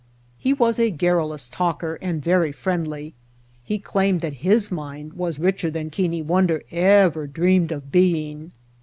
He was a garrulous talker and very friendly. He claimed that his mine was richer than Keane Wonder ever dreamed of being.